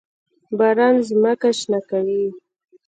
باران ځمکه شنه کوي.